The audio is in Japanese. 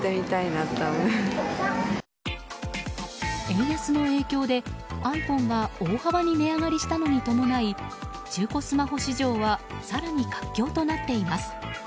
円安の影響でｉＰｈｏｎｅが大幅に値上がりしたのに伴い中古スマホ市場は更に活況となっています。